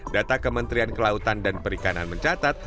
data kementerian kelautan dan perikanan mencatat